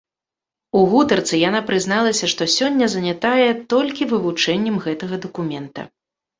У гутарцы яна прызналася, што сёння занятая толькі вывучэннем гэтага дакумента.